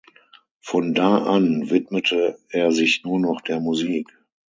Von da an widmete er sich nur noch der Musik.